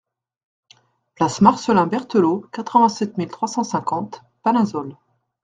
Place Marcelin Berthelot, quatre-vingt-sept mille trois cent cinquante Panazol